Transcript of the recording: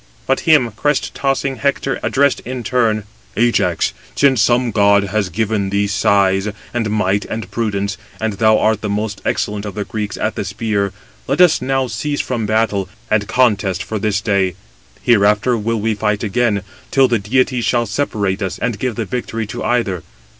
But him crest tossing Hector addressed in turn: "Ajax, since some god has given thee size, and might, and prudence, and thou art the most excellent of the Greeks at the spear, let us now cease from battle and contest for this day; hereafter will we fight again, till the Deity shall separate us, and give the victory to either.